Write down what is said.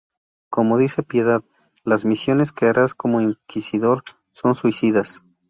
Como dice Piedad: ""¡Las misiones que harás como Inquisidor son suicidas!